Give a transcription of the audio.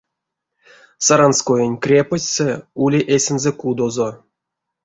Саранскоень крепостьсэ ули эсензэ кудозо.